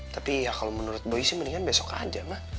tapi ya kalau menurut boy sih mendingan besok aja mah